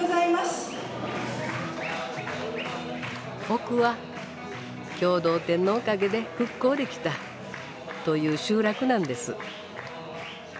奥は共同店のおかげで復興できたという集落なんです。